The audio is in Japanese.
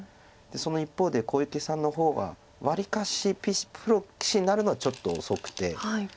その一方で小池さんの方がわりかしプロ棋士になるのはちょっと遅くて。